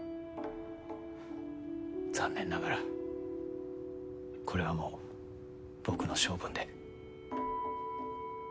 残念ながらこれはもう僕の性分で。